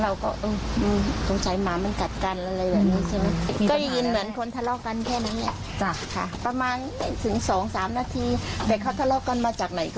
มาใกล้แถวนี้ซึ่งมีเสียงมาเลยใช่ไหม